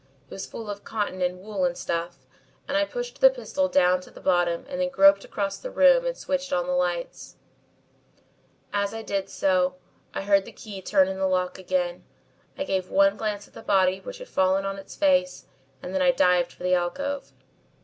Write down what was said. It was full of cotton and wool and stuff and I pushed the pistol down to the bottom and then groped across the room and switched on the lights. "As I did so, I heard the key turn in the lock again. I gave one glance at the body which had fallen on its face and then I dived for the alcove.